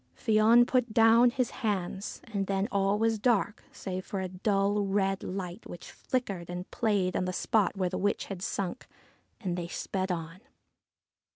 Fion put down his hands, and then all was dark, save for a dull red light which flickered and played above the spot where the witch had sunk ; and they sped on.